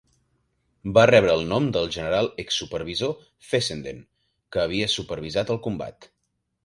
Va rebre el nom del general exsupervisor Fessenden, que havia supervisat el comtat.